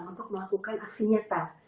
untuk melakukan aksi nyata